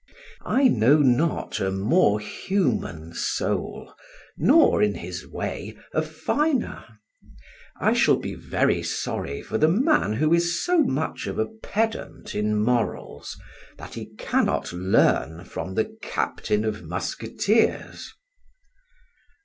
I know not a more human soul, nor, in his way, a finer; I shall be very sorry for the man who is so much of a pedant in morals that he cannot learn from the Captain of Musketeers.